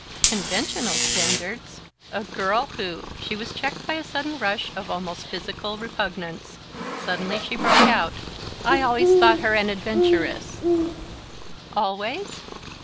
"Conventional standards? A girl who " She was checked by a sudden rush of almost physical repugnance. Suddenly she broke out: "I always thought her an adventuress!" "Always?"